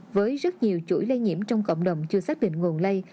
với rất nhiều chuỗi lây nhiễm trong cộng đồng chưa xác định nguồn lây